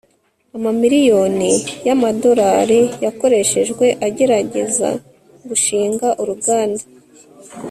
amamiliyoni yamadorari yakoreshejwe agerageza gushinga uruganda